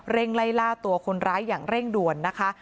ไล่ล่าตัวคนร้ายอย่างเร่งด่วนนะคะ